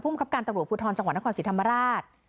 ผู้มีคับการตาโหลกภูทรจังหวัดนครศิริษฐรรมราช